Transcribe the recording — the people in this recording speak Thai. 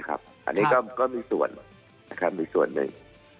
อันนี้ก็มีส่วนมีส่วนหนึ่ง